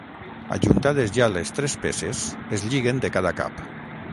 Ajuntades ja les tres peces, es lliguen de cada cap.